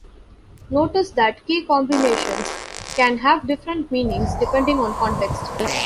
Notice that key combinations can have different meanings depending on context.